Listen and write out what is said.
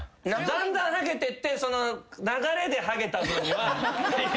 だんだんハゲてって流れでハゲた分には。